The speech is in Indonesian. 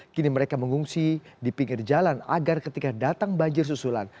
kini mereka mengungsi di pinggir jalan agar ketika datang banjir susulan